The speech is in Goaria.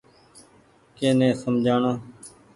ڪي ني سمجهاڻو ۔